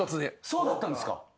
そうだったんですか！？